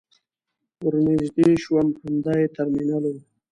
ور نژدې شوم همدا يې ترمینل و.